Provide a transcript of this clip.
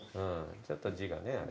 ちょっと字がね。